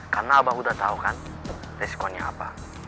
karena abah udah tahu kan resikonya abah